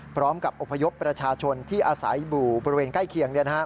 พร้อมกับอพยพประชาชนที่อาศัยอยู่บริเวณใกล้เคียง